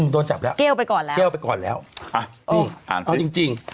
โดนจับแล้วเกลไปก่อนแล้วอ่านี่อ่านสิเอาจริง